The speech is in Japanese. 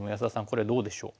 これはどうでしょう？